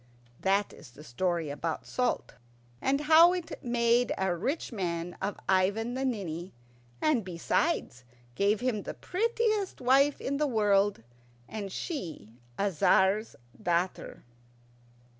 That is the story about salt, and how it made a rich man of Ivan the Ninny, and besides, gave him the prettiest wife in the world, and she a Tzar's daughter.